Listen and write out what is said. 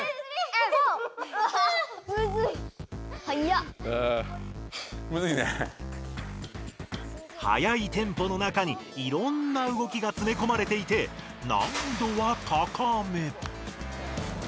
はやいテンポの中にいろんな動きがつめこまれていて難易度は高め。